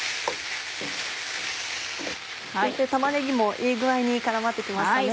先生玉ねぎもいい具合に絡まって来ましたね。